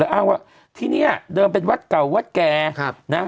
อ้างว่าที่เนี่ยเดิมเป็นวัดเก่าวัดแก่ครับนะ